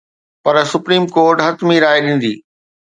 پر Supreme Court حتمي راءِ ڏيندي.